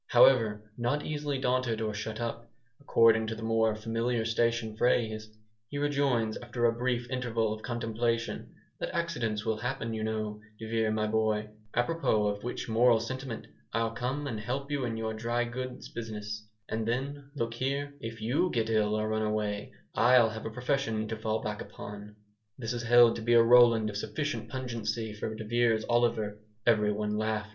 However, not easily daunted or "shut up," according to the more familiar station phrase, he rejoins, after a brief interval of contemplation, "that accidents will happen, you know, de Vere, my boy apropos of which moral sentiment, I'll come and help you in your dry goods business; and then, look here, if YOU get ill or run away, I'll have a profession to fall back upon." This is held to be a Roland of sufficient pungency for de Vere's Oliver. Everyone laughed.